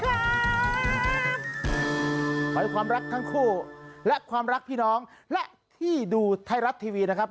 ขอให้ความรักทั้งคู่และความรักพี่น้องและที่ดูไทยรัฐทีวีนะครับ